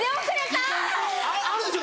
あるでしょ